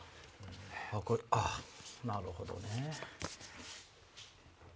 あっなるほどね。